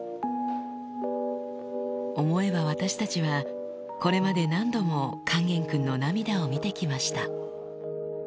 思えば私たちはこれまで何度も勸玄君の涙を見て来ました